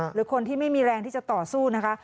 หรือคนที่ไม่มีแรงที่จะต่อสู้นะคะ